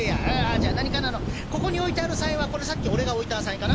じゃあ何かなここに置いてある３円はこれさっき俺が置いた３円かな？」。